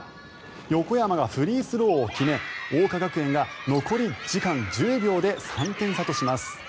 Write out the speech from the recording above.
横山がフリースローを決め桜花学園が残り時間１０秒で３点差とします。